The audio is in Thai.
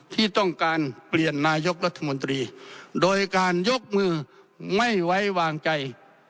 ที่ต้องการเปลี่ยนนายกรัฐมนตรีโดยการยกมือไม่ไว้วางใจ